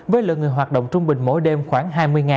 với lượng người hoạt động trung bình mỗi đêm khoảng hai mươi